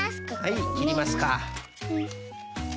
はいきりますか。